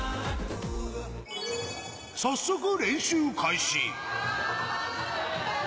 早速、練習開始。